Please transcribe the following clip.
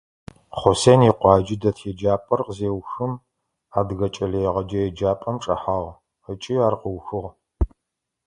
Хъусен икъуаджэ дэт еджапӀэр къызеухым, Адыгэ кӀэлэегъэджэ еджапӀэм чӀэхьагъ ыкӀи ар къыухыгъ.